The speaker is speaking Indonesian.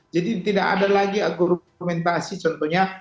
jadi tidak ada lagi argumentasi contohnya